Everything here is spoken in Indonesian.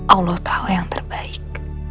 allah tahu yang terbaik